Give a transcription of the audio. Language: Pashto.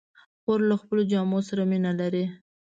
خور له خپلو جامو سره مینه لري.